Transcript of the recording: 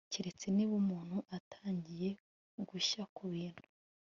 keretse niba umuntu atangiye gushya ku bintu